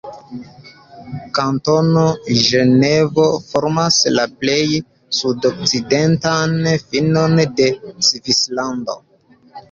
Kantono Ĝenevo formas la plej sudokcidentan finon de Svislando.